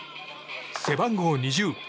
背番号２０